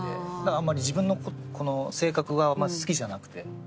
あんまり自分のこの性格が好きじゃなくて。